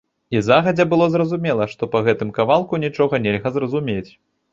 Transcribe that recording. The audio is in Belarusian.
І загадзя было зразумела, што па гэтым кавалку нічога нельга зразумець.